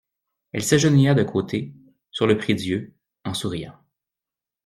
Elle s'agenouilla de côté, sur le prie-dieu, en souriant.